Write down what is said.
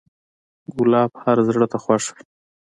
ګلاب هر زړه ته خوښ وي.